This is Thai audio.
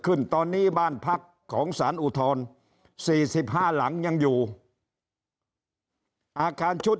ขึ้นตอนนี้บ้านพักของสารอุทธร๔๕หลังยังอยู่อาคารชุด